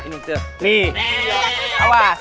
nih awas awas